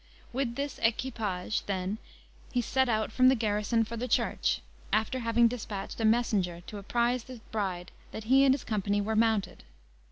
With this equipage, then, he set out from the garrison for the church, after having despatched a messenger to apprise the bride that he and his company were mounted.